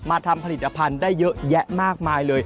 ทำผลิตภัณฑ์ได้เยอะแยะมากมายเลย